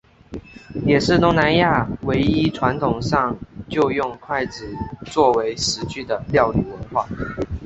也是东南亚唯一传统上就用筷子作为食具的料理文化。